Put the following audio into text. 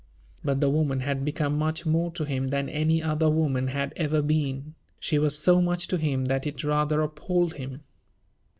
But the woman had become much more to him than any other woman had ever been; she was so much to him that it rather appalled him.